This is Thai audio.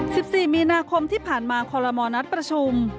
สิบสี่มีนาคมที่ผ่านมาคอลโลมอลนัดประชุม